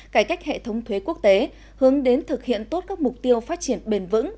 cải cách hệ thống thuế quốc tế hướng đến thực hiện tốt các mục tiêu phát triển bền vững